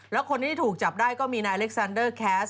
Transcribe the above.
แล้วคนที่ถูกจับได้ก็มีนายอเล็กซันเดอร์แคสต